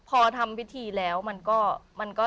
พอทำพิธีแล้วมันก็